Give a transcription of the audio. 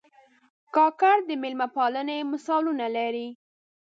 کاکړ د مېلمه پالنې مثالونه لري.